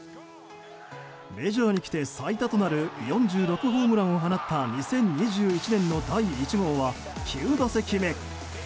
メジャーに来て最多となる４６ホームランを放った２０２１年の第１号は９打席目。